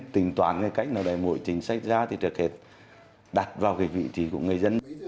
tình toán ngay cách nào đẩy mỗi chính sách ra thì thực hiện đặt vào cái vị trí của người dân